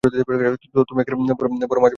তো তুমি এখন বড় মাছ বনে গেছ, অজ?